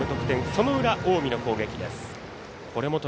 その裏、近江の攻撃です。